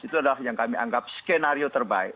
itu adalah yang kami anggap skenario terbaik